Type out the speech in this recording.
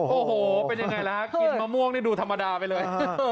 โอ้โหเป็นยังไงล่ะฮะกินมะม่วงนี่ดูธรรมดาไปเลย